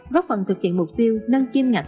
góp phần thực hiện mục tiêu nâng kim ngạch